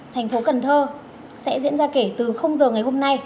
tp cn sẽ diễn ra kể từ h ngày hôm nay